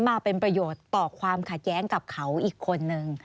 มาเป็นประโยชน์ต่อความขัดแย้งกับเขาอีกคนนึง